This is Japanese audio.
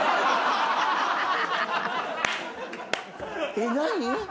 えっ何？